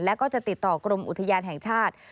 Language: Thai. แล้วก็จะติดต่อกรมอุทยานแห่งชาติ